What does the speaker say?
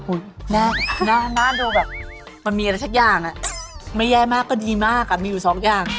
หน้าดูแบบมันมีอะไรสักอย่างอ่ะไม่แย่มากก็ดีมากอ่ะมีอยู่สองอย่าง